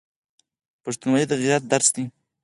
پښتونولي د غیرت درس دی.